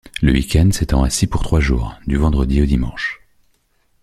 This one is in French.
Le week-end s'étend ainsi pour trois jours: du vendredi au dimanche.